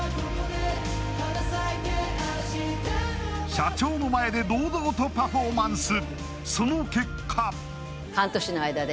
社長の前で堂々とパフォーマンス。